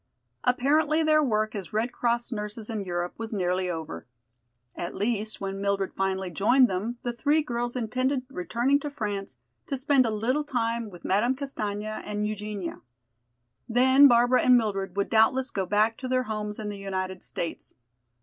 Apparently their work as Red Cross nurses in Europe was nearly over. At least, when Mildred finally joined them, the three girls intended returning to France to spend a little time with Madame Castaigne and Eugenia. Then Barbara and Mildred would doubtless go back to their homes in the United States.